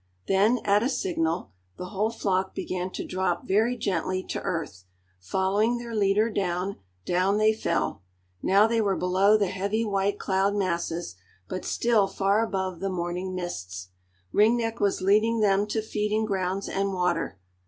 Then, at a signal, the whole flock began to drop very gently to earth, following their leader; down, down they fell. Now they were below the heavy white cloud masses, but still far above the morning mists. Ring Neck was leading them to feeding grounds and water.